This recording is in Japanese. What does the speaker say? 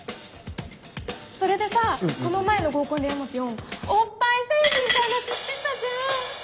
それでさこの前の合コンで山ピョンおっぱい星人って話してたじゃん！